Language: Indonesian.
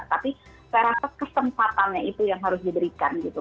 tapi saya rasa kesempatannya itu yang harus diberikan gitu